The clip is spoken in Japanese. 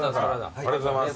ありがとうございます。